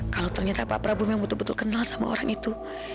kalau ternyata pak prabowo memang betul betul kenal sama orang itu